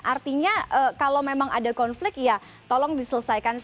artinya kalau memang ada konflik ya tolong diselesaikan